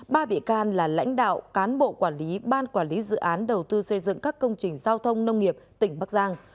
ba bị can là lãnh đạo cán bộ quản lý ban quản lý dự án đầu tư xây dựng các công trình giao thông nông nghiệp tỉnh bắc giang